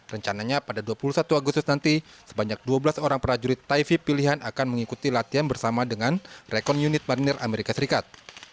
rencananya pada dua puluh satu agustus nanti sebanyak dua belas orang prajurit taifi pilihan akan mengikuti latihan bersama dengan rekon unit marinir amerika serikat